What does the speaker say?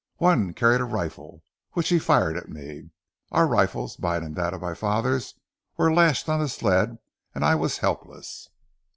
One carried a rifle which he fired at me. Our rifles, mine and that of my father, were lashed on the sled and I was helpless."